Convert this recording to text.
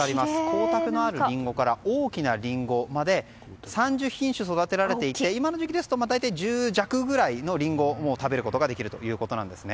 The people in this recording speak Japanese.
光沢のあるリンゴから大きなリンゴまで３０品種育てられていて今ぐらいの時期ですと大体１０弱くらいのリンゴを食べることができるということです。